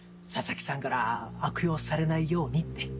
佐々木さんから悪用されないようにって。